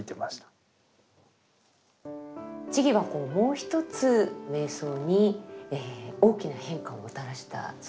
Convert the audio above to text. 智はもう一つ瞑想に大きな変化をもたらしたそうですね。